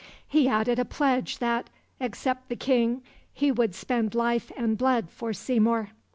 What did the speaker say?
He added a pledge that, "except the King," he would spend life and blood for Seymour.